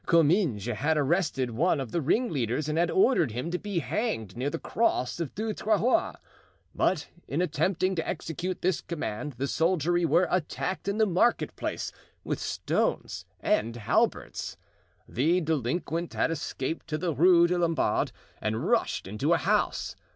Comminges had arrested one of the ringleaders and had ordered him to be hanged near the cross of Du Trahoir; but in attempting to execute this command the soldiery were attacked in the market place with stones and halberds; the delinquent had escaped to the Rue des Lombards and rushed into a house.